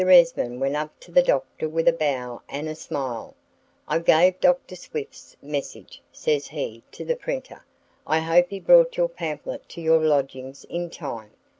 Esmond went up to the Doctor with a bow and a smile: "I gave Dr. Swift's message," says he, "to the printer: I hope he brought your pamphlet to your lodgings in time."